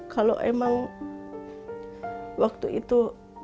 kalau memang waktu itu